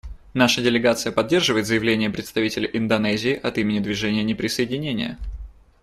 Наша делегация поддерживает заявление представителя Индонезии от имени Движения неприсоединения.